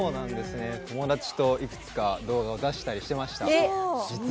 友達といくつか動画を出したりしていました。